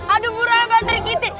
aduh buruan pak serigiti